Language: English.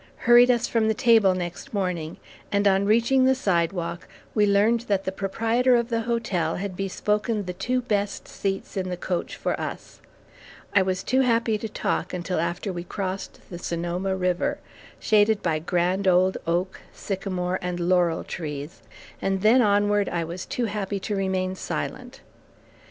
hurried us from the table next morning, and on reaching the sidewalk, we learned that the proprietor of the hotel had bespoken the two best seats in the coach for us. I was too happy to talk until after we crossed the Sonoma River, shaded by grand old oak, sycamore, and laurel trees, and then onward, I was too happy to remain silent.